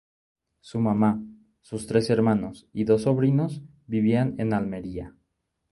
Su mamá, sus tres hermanos y dos sobrinos vivían en Almería.